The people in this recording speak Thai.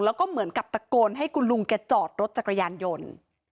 แล้วก็เหมือนกับตะโกนให้คุณลุงแกจอดรถจักรยานยนต์